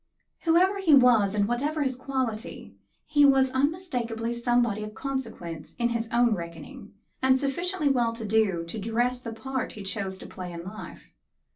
Whoever he was and what his quality, he was unmistakably somebody of consequence in his own reckoning, and sufficiently well to do to dress the part he chose to play in life.